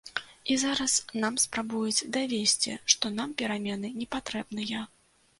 І зараз нам спрабуюць давесці, што нам перамены не патрэбныя.